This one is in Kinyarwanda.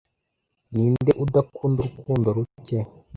ninde udakunda urukundo ruke